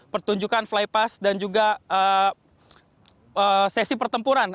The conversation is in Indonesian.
pertunjukan fly pass dan juga sesi pertempuran